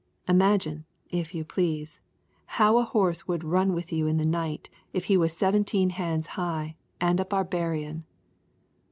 Imagine, if you please, how a horse would run with you in the night if he was seventeen hands high and a barbarian!